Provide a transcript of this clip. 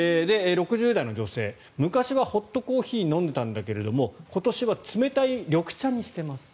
６０代の女性昔はホットコーヒーを飲んでいたんだけど今年は冷たい緑茶にしています。